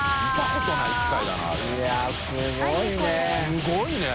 すごいね。